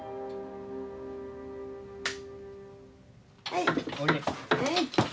はい。